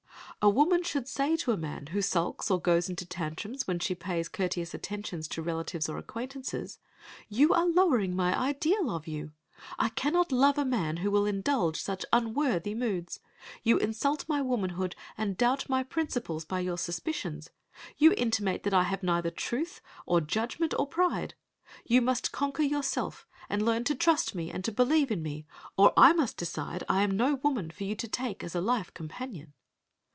A woman should say to a man who sulks or goes into tantrums when she pays courteous attentions to relatives or acquaintances, "You are lowering my ideal of you I cannot love a man who will indulge such unworthy moods. You insult my womanhood and doubt my principles by your suspicions; you intimate that I have neither truth, or judgment, or pride. You must conquer yourself, and learn to trust me and to believe in me, or I must decide I am no woman for you to take as a life companion."